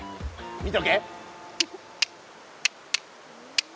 見とけ。